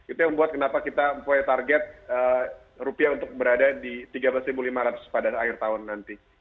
itu yang membuat kenapa kita mempunyai target rupiah untuk berada di tiga belas lima ratus pada akhir tahun nanti